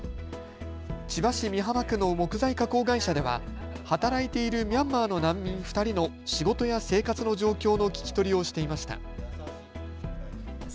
千葉市美浜区の木材加工会社では働いているミャンマーの難民２人の仕事や生活の状況の聞き取りをしていました。